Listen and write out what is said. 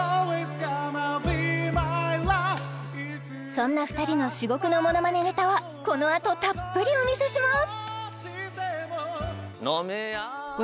そんな２人の至極のものまねネタはこのあとたっぷりお見せします